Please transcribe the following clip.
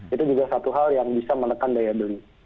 itu juga satu hal yang bisa menekan daya beli